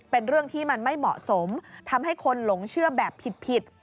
เป็นเรื่องที่มันไม่เหมาะสมทำให้คนหลงเชื่อแบบผิด